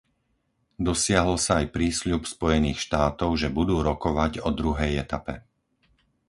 Dosiahol sa aj prísľub Spojených štátov, že budú rokovať o druhej etape.